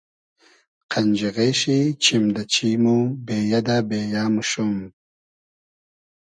قئنجیغې شی چیم دۂ چیم و بېیۂ دۂ بېیۂ موشوم